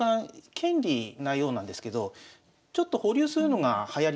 権利なようなんですけどちょっと保留するのがはやりなんですよ。